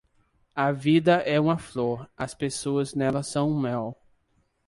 A vida é uma flor, as pessoas nela são o mel.